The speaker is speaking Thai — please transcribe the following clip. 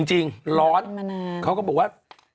จริงร้อนเขาก็บอกว่า